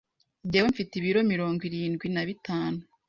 Ngewe mfite ibiro mirongo irindwi nabitanu